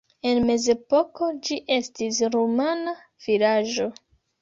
En mezepoko ĝi estis rumana vilaĝo.